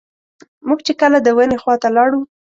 موږ چې کله د ونې خواته لاړو.